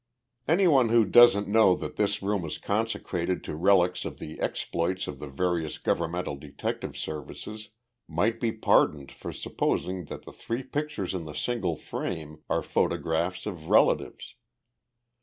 Anyone who doesn't know that this room is consecrated to relics of the exploits of the various governmental detective services might be pardoned for supposing that the three pictures in the single frame are photographs of relatives.